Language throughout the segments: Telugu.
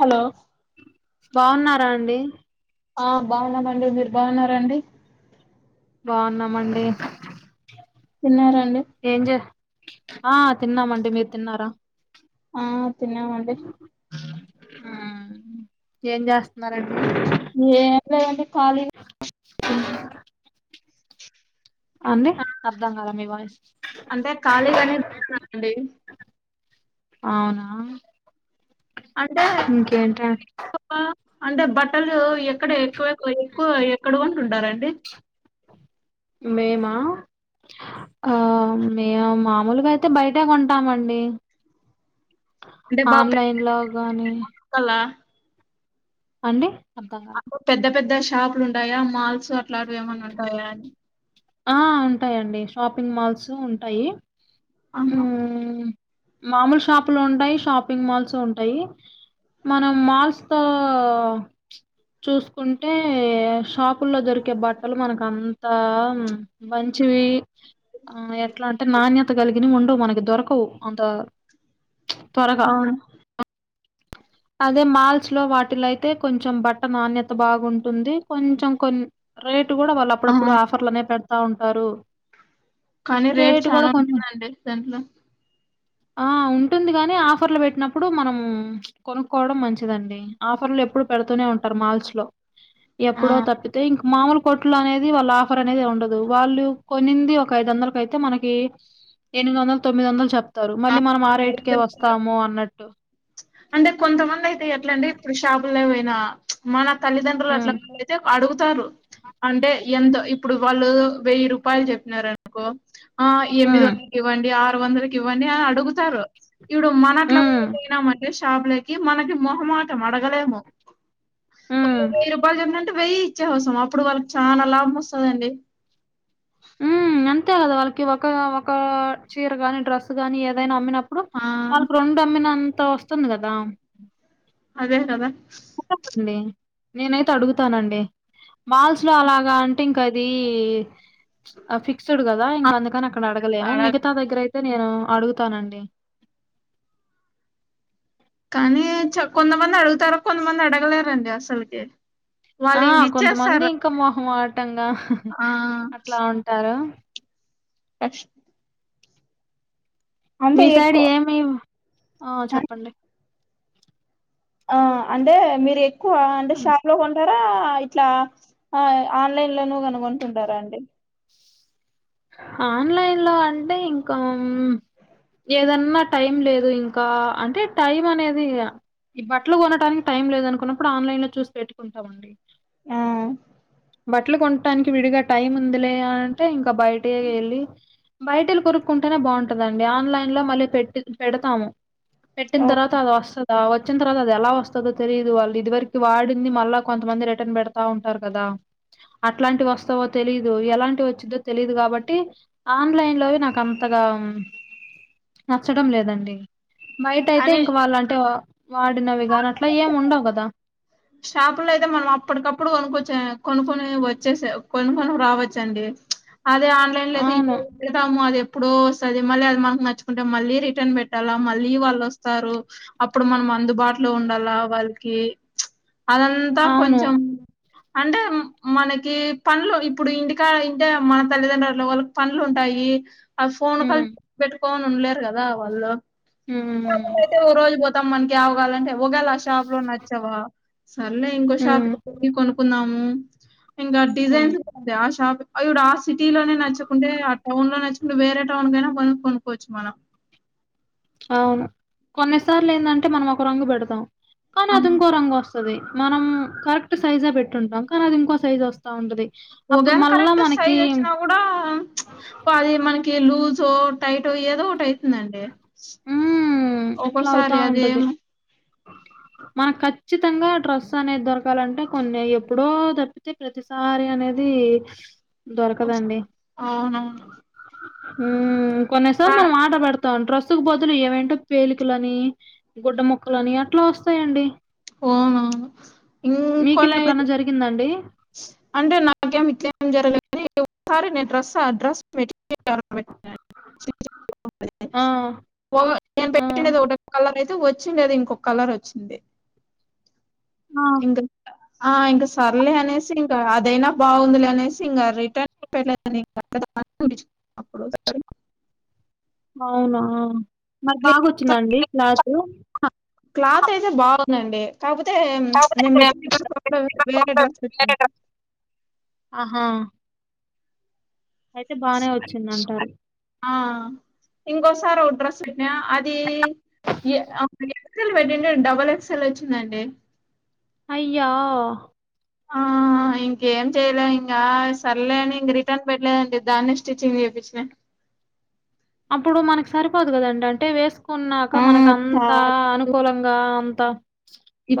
హలో బావున్నారా అండి ఆ బావున్నామండి, మీరు బావున్నారండి బావున్నామండి తిన్నారండి ఏం చేస్ ఆ తిన్నామండి మీరు తిన్నారా ఆ తిన్నామండి ఊ ఏం చేస్తున్నారండి ఏం లేదు అండి కాలిగ అండి అర్థం గాలే మీ వాయిస్ అంటే ఖాళీగానే [inaudible] న్నాండి అవునా అంటే ఇంకేంట [inaudible] అంటే బట్టలు ఎక్కడ ఎక్కువ ఎక్కువ ఎక్కడ కొంటుంటారండి మేమా ఆ మేము మామూలుగా అయితే బయటే కొంటామండి ఆన్లైన్ లో గాని హాల్లో అండి అర్థం కాలే అంటే పెద్ద పెద్ద షాపులు ఉంటాయా మాల్స్ అట్లాంటివి ఏమన్నా ఉంటాయా ఆ ఉంటాయండి షాపింగ్ మాల్స్ ఉంటాయి అహ మ్మ్ మామూలు షాపులు ఉంటాయి షాపింగ్ మాల్స్ ఉంటాయి మనం మాల్స్ తో చూసుకుంటే షాపుల్లో దొరికే బట్టలు మనకు అంతా మంచివి హా ఎట్లా అంటే నాణ్యత గలిగిన ఉండవు మనకి దొరకవు అంత త్వరగా అవును అదే మాల్స్ లో వాటిల్లో అయితే కొంచెం బట్ట నాణ్యత బాగుంటుంది కొంచెం కొం రేటు కూడా వాళ్ళు ఆ అప్పుడప్పుడు ఆఫర్లు పెడతానే ఉంటారు కానీ రేట్ రేటు గూడా చానా కొంచెం ఉంటుందండి దాంట్లో ఆ ఉంటుంది కాని ఆఫర్లు పెట్టినప్పుడు మనము కొనుక్కోవడం మంచిదండి ఆఫర్లు ఎప్పుడు పెడుతూనే ఉంటారు మాల్స్ లో ఆ ఎప్పుడో తప్పితే ఇంక మామూలు కొ ట్లో అనేది వాళ్ళ ఆఫర్ అనేది ఉండదు వాళ్ళు కొన్నింది ఒక ఐదు వందలకయితే మనకి ఎనిమిది వందలు తొమ్మిది వందలు చెప్తారు మళ్ళీ మనం ఆ బాగా రేటుకే చెప్తారు వస్తాము అన్నట్టు అంటే కొంతమంది అయితే ఎట్లండి షాపుల్లోపైనా మన తల్లిదండ్రులు ఉమ్ అట్లా త్తే అడుగుతారు అంటే ఎంతో ఇప్పుడు వాళ్ళు వెయ్యి రూపాయలు చెప్పినారు అనుకో ఆ ఎనిమిది ఉమ్ వందలకి ఇవ్వండి ఆరు వందలకి ఇవ్వండి అని అడుగుతారు ఇప్పుడు మన అట్లా ఉమ్ నమ్మట్లే షాపులకి మనకి మొహమాటం అడగలేము ఒక ఉమ్ వెయ్యి రూపాయలు చెప్పినంటే వెయ్యి ఇచ్చేసి వస్తాం అప్పుడు వాళ్ళకి చాలా లాభం వస్తుందండి ఉ అంతే కదా వాళ్ళకి ఒక ఒక చీర కాని డ్రెస్ గాని ఏదైనా అమ్మినప్పు అప్పుడు ఆ వాళ్ళకు రెండు అమ్మిన అంతా వస్తుంది గదా అదే గదా చెప్పండి నేనైతే అడుగుతానండి మాల్స్ లో అలాగా అంటే ఇంకా అది ఫిక్స్డ్ కదా ఇంక అందుకని అక్కడ అడగలేము అడ మిగతా దగ్గర అయితే నేను అడుగుతానండి కానీ చ కొంతమంది అడుగుతారు కొంతమంది అడగలేరండి అసలీకి ఆ కొంతమంది ఇంకా మొహమాటంగా ఆ అట్లా ఉంటారు అస్ [unintelligible] అంటే మీ సైడ్ ఎక్కువ ఏమి ఆ చెప్పండి ఆ అంటే మీరు ఎక్కువ అంటే షా పు లో కొంటారా ఇట్లా ఆన్లైన్ లోనూ కనుగొంటుంటారా అండి ఆన్లైన్లో అంటే ఇంకా ఏదన్నా టైం లేదు ఇంకా అంటే టైం అనేది ఇగ ఈ బట్టలు కొనటానికి టైం లేదు అనుకున్నప్పుడు ఆన్లైన్ లో చూసి పెట్టుకుంటామండి ఆ బట్టలు కొంటానికి విడిగా టైం ఉందిలే అంటే ఇంకా బయట ఏళ్ళి బయట ఎల్లి కొరుక్కుంటేనే బాగుంటుందండి ఆన్లైన్ లో మళ్ళీ పెట్టి పెడతాము పెట్టిన తర్వాత అది వస్తదా వ వచ్చిన తర్వాత అది ఎలా వస్తదో తెలియదు వాళ్ళు ఇది వరకు వాడింది మళ్ళా కొంతమంది రిటర్న్ పెడతా ఉంటారు కదా అట్లాంటివి వస్తావో తెలీదు ఎలాంటి వచ్చిందో తెలీదు కాబట్టి ఆన్లైన్ లోవి నాక్ అంతగా నచ్చడం లేదండి బయటయితే కానీ ఇంక వాళ్ళంటే వాడినవి కానీ అట్లా ఏం ఉండవు కదా షాపు ల్లో అయితే మనం అప్పటికప్పుడు కొనుక్కొచ్చె కొనుక్కొని వచ్చేసే కొనుక్కొని రావచ్చండి అదే ఆన్లైన్ లో అయితే ఇంటి అవును పెడతాము అది ఎప్పుడో వస్తది మళ్ళీ అది మనకు నచ్చుకుంటే మళ్ళీ రిటర్న్ పెట్టాలా మళ్ళీ వాళ్ళోస్తారు అప్పుడు మనం అందుబాటులో ఉండాలా వాళ్కి అదంతా అవును కొంచెం అంటే మనకి పన్లు ఇప్పుడు ఇంటికాడ ఇంటే మన తల్లిదండ్రుల అట్లవాళ్లు పన్లుంటాయి అ ఫోన్ కాల్ ఉమ్ పెట్టుకోని ఉండలేరు కదా వాళ్ళు హూ హూ వీలయితే ఒక రోజు పోతాం మనకి ఆవాలంటే ఒగాల ఆ షాప్ లో నచ్చవా సర్లే ఇంకో షాప్ ఉమ్ కి కొనుకున్నాము ఇంకా ఉమ్ డిజైన్స్ ఉ ఆ షాప్ అయుడ్ ఆ సిటీ లోనే నచ్చకుంటే ఆ టౌన్ లో నచ్చకుంటే వేరే టౌన్ కైనా పోయ్ కొనుక్కోవచ్చు మనం అవును కొన్నిసార్లేందంటె మనం ఒక రంగు పెడతాం కానీ అది అవును. ఇంకో రంగొస్ స్తది మనం కరెక్ట్ సైజే పెట్టుంటాం కానీ అది ఇంకో సైజ్ వస్ తా ఉంటది అప్పుడు ఓగేల మళ్ళా కరెక్ట్ మనకి సైజ్ వచ్చినా కూడా బా అది మనకి ఏ లూజో టైటో ఏదో ఒకటైతందండి ఊమ్ ఇట్లా అవుతా ఉంటది అదేం మనక్ ఖచ్చితంగా డ్రస్ అనేది దొరకాలంటే కొన్ని ఎప్పుడో దప్పితే ప్రతిసారి అనేది దొరకదండి అవునవును ఊ కా కొన్నిసార్లు మనం ఆర్డర్ పెడత్ తాంట్ర రస్తుకు బదులు ఏవేంటో పేలికలని గుడ్డ మొక్కలని అట్లా వస్తాయండి ఓను ఇంకొన్నైతే ఇందండి అంటే నాకేం ఇట్లేం జరగలేదు కానీ ఒకసారి నేన్ డ్రస్ అడ్రస్ పెట్ ఆ [inaudible] ఒక నేను ఆ పెట్టినది ఒక కలర్ అయితే వచ్చిండేది ఇంకొక కలర్ ఒచ్చింది ఆ ఇంకా ఆ ఇంక సర్లే అనేసి ఇంకా అదైనా బాగుందిలే అనేసి ఇంకా రిటర్న్ పెద [inaudible] అప్పుడోసారి అవునా మరి బాగొచ్చిందండి క్లాసు అ క్లాత్ అయితే బాగ్ గుందండి కాపోతే నేను పెట్టిన వేరే డ్రెస్ పెట్టింది ఆహా అయితే బానే వచ్చిందంటారు ఆ ఇంకోసారి ఓ డ్రస్ పెట్నా అది ఎ అది ఎక్సల్ పెట్టుండే డబుల్ ఎక్సఎల్ వచ్చిందండి అయ్యా ఆ ఇంకేం చెయలే ఇంకా సర్లే అని ఇంక రిటర్న్ పెట్టలేదండి దాన్నే స్టిచ్చింగ్ చేపిచినా అప్పుడు మనకి సరిపోదు కదండి అంటే వేస్ కున్నాక ఆ మనకంత చాలా అనుకూలంగా అంత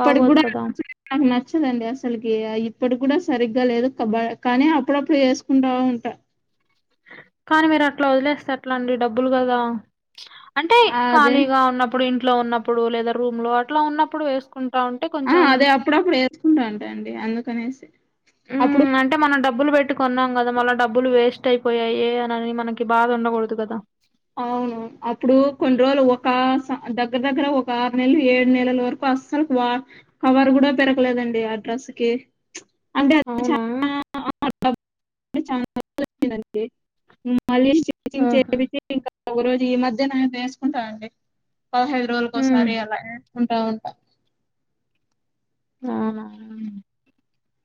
బాగోదు కదా [inaudible] నాకు నచ్చదండి అసల్కి ఇప్పుడు కూడా సరిగ్గా లేదు కబ కానీ అప్పుడప్పుడు వేస్కుంటా ఉంట కానీ మీరట్లా వదిలేస్తే ఎట్లండి డబ్బులు కదా అంటే అదే ఖాళీగా ఉన్నప్పుడు ఇంట్లో ఉన్నప్పుడు లేదా రూమ్ లో అట్లా ఉన్నప్పుడు వేసుకుంట ఆ అదే అప్పుడప్పుడు వేసుకుంటా ఉంటా అండి అందుకనేసి అప్పుడు మ్మ్ అంటే మనం డబ్బులు పెట్టుకున్నాం కదా మళ డబ్బులు వేస్ట్ అయిపోయాయి అని మనకి బాధ ఉండకూడదు కద అవును అప్పుడు కొన్ని రోజులు ఒక దగ్గర దగ్గర ఒక ఆరు నెలలు ఏడు నెలల వరకు వస్ అసలు కవర్ కూడ పెరగలేదండి ఆ అ డ్రస్కి అంటే అది అవునా [inaudible] ఆహా! ఇంకా ఒక రోజు ఈ మధ్యన వేసుకుంటానుండి పదహైదు హ్మ్. రోజులకోసారి అలాగ ఉంట ఉంట ఆ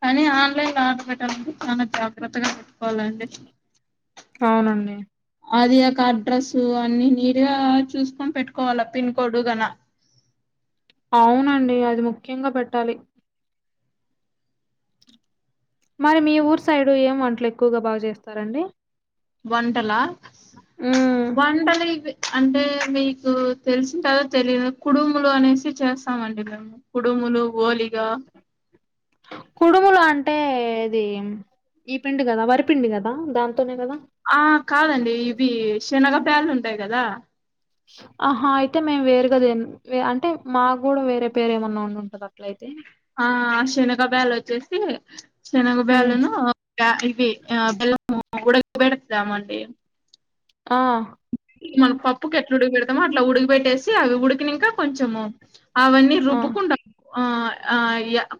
కానీ ఆన్లైన్ లో ఆర్డర్ పెట్టాలంటే చాల జాగ్రత్తగా పెట్టుకోవాలండి అవునండి అది యొ అడ్రస్ అన్ని [unintelligible] చూసుకొని పెట్టుకోవాలా పిన్ కోడ్ గన అవునండి అది ముఖ్యంగ పెట్టాలి మరి మీ ఊరు సైడ్ ఏం వంటలు ఎక్కువగ బాగ చేస్తారండి వంటలా హ్మ్. వంటలు ఇవి అంటే మీకు తెలిసిన కదా తెలిదు కుడుములు అనేసి చేస్తామండి మేము కుుడుములు ఒలిగ కుడుములు అంటే ఇది ఈ పిండి కదా వరిపిండి కదా దాంతోనే కదా ఆ కాదండి ఇవి శనగ బ్యాలు ఉంటాయి కదా ఆహా అయితే మేం వేరుగా [unintelligible] అంటే మాకు కూడా వేరే పేరు ఏమన్నా [unintelligible] అట్లయితే ఆ శనగ బ్యాలు వచ్చేసి శనగ బ్యాలు హ్మ్. ను ఇవి బెల్లము ఉడక పెడుతము అండి ఆ మన పప్పుకు ఎట్లా ఉడికి పెెడతామో అట్లా ఉడిగి పెెట్టేసి అవి ఉడికినాంక కొంచెము అవన్నీ ఆ! రుబ్బుకుంట ఆ ఆ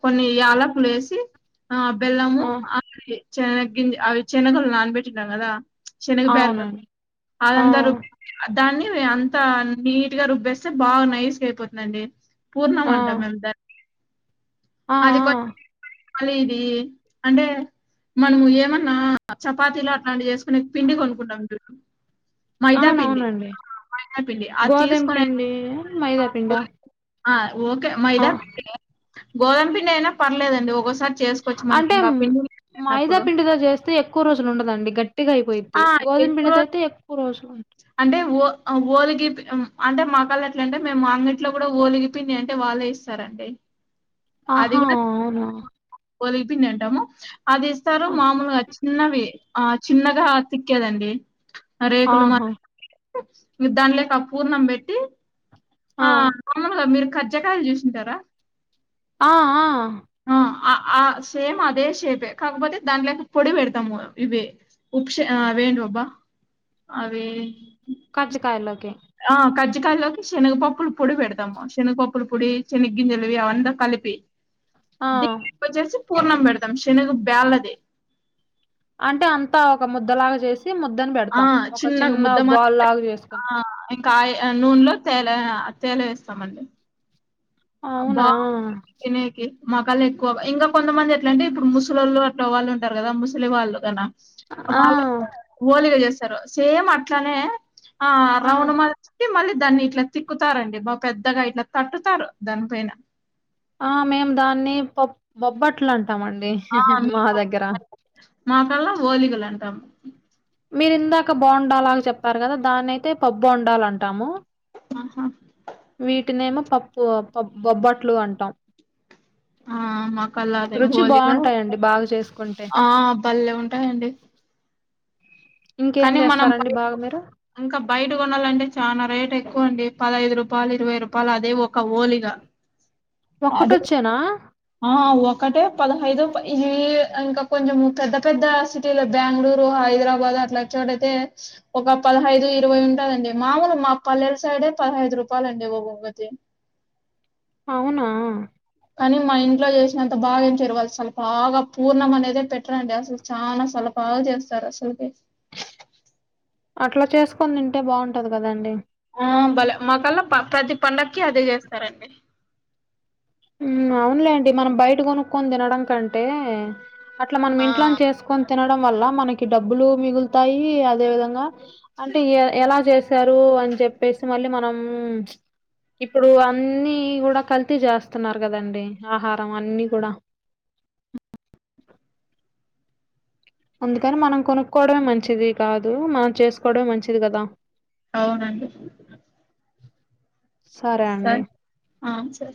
కొన్ని యాలకులు ఏసీ ఆ బెల్లము ఆ! అ చెన్న గింజ అవి [unintelligible] నాన [unintelligible] కదా శనగ బ్యాలు అవునండి. ఆ! [unintelligible] దాన్ని అంత నీట్గా రుబ్బేస్తే బాగ నైస్గా అయిపోతుందండి పూర్ణమం ఆ! అంటాం మేము దాన్ని ఆ! ఆ! [unintelligible] [unintelligible] ఇది అంటే మనము ఏమన్నా చపాతీలు అట్లాంటి చేసు పిండి కొనుకు [unintelligible] అవునవునండి మైదాపిండి అది గోధుమ పిండి, మైదా పిండా? [unintelligible] ఓకే ఆ! మైదాపిండి గోదామ పిండి అయిన పర్లేదండి [unintelligible] మనకి అంటే ఇంకా పిండి మైదా లేనప్పుడు పిండితో చేస్తే [unintelligible] ఎక్కువ రోజులు ఉండదండి గట్టిగా ఆ అయిపోయిద్ది గోదాం ఎక్కువ రోజు [unintelligible] ఎక్కువ రోజులుం అంటే ఓ ఓలిగి అంటే మా కాళ్ళ ఎట్ల అంటే మేము అంగట్లో కూడా ఓలిగి పిండి అంటే వాళ్ళే సరండి అది ఆహా కూడ అవునా ఒలిగి పిండి అంటాము అది ఇస్తారు ఆ! మామూలుగ చిన్నవి ఆ చిన్నగా తిక్కేదండి రేకులు మా ఆహా మీ దాని లేకి పూర్ణం పెట్టి ఆ మామలుగా మీరు [unintelligible] జకాయలు చేూసింటారా ఆ ఆ ఆ ఆ ఆ సేమ్ అదే షేపే కాకపోతే దానిలేక పొడి పెడతాము ఇవి ఉప్ష ఆ వెంటి బబ్బా అరే కజ్జికాయల్లోకి ఆ కజ్జికాయలోకి శనగపప్పుల పొడి పెడతాము శనగపప్పుల పొడి శనగ్గిందేలువి అవంతా కలిపి ఆ వ చేసి పూర్ణం పెడతాం శనగ బేళ్ళది అంటే అంతా ఒక ముద్దలాగా చేసి ముద్దని ఆ! పెడతాం ఒక చిన్న బాల్ లాగా చేసుకుని ఇంకాయ నూనెలో తేనే ఆ తేనే వేస్తామండి అవునా తినయకి మాకాలు ఎక్కువ ఇంకా కొంతమంది ఎట్లంటే ఇప్పుడు ముసల్లోళ్ళు అట్లా వాళ్ళు ఉంటారు కదా ముసలి వాళ్ళు కన ఆ ఓలిగా చేస్తారు సేమ్ అట్లనే ఆ రౌండ్ మ కి మళ్ళీ దాన్ని ఇట్లా తిక్కుతారండి బా పెద్దగా ఇట్లా తట్టుతారు దానిపైన ఆ మేం దాన్ని పప్ బొబ్బట్లు అంటాం అండి ఆ మా మీకు దగ్గర మాకల్లా ఓలిగులు అంటాం మీరు ఇందాక బోండాలాగ చెప్పారు కదా దాని అయితే పప్ప బోండాలు అంటాము ఆహా వీటిని ఏమో పప్పు పప్ బొబ్బట్లు అంటాం ఆ మక్కలా అదే రుచి గోలిగా బాగుంటాయండి బాగా చేసుకుంటే ఆ బల్లె ఉంటాయండి ఇంకేం కానీ మనం చేస్తారండి బాగా మీరు ఇంకా బయట కొనాలంటే చాలా రేట్ ఎక్కువ అండి పదహైదు రూపాలు ఇరవై రూపాలు అదే ఒక ఓలిగా అదే ఒక్కటోచ్చానా ఆ ఒకటే పదహైదు ప ఇది ఇంకా కొంచెం పెద్ద పెద్ద సి టీలో బెంగళూరు హైదరాబాద్ అట్లా చోటైతే ఒక పదహైదు ఇరవై ఉండదండి మామూలు మా పల్లెల సైడే పదహైదు రూపాయలండి ఒక్కోటి అవునా కానీ మా ఇంట్లో చేసినంత బాగా ఏం చెయ్యరు వాళ్ళ అసలు బాగా పూర్ణం అనేదే పెట్టరండి అసల చాలా సలపాలు చేస్తారు అసలుకే అట్లా చేసుకొని తింటే బాగుంటది కదండి ఆ బలే మాకల్లా ప ప్రతి పండగకి అదే చేస్తారండి ఉమ్ అవునలేండి మనం బయట కొనుక్కొని తినడం కంటే అట్లా మనం ఆ ఇంట్లోనే చేసుకొని తినడం వల్ల మనకి డబ్బులు మిగులుతాయి అదే విధంగా అంటే ఎలా చేశారు అని చెప్పేసి మళ్ళీ మనం ఇప్పుడు అన్నీ కూడా కల్తీ చేస్తున్నారు కదండి ఆహారం అన్ని కూడా అందుకని మనం కొనుక్కోవడమే మంచిది కాదు మనం చేసుకోవడమే మంచిది కదా అవునండి సరే అండి ఆమ్ సరే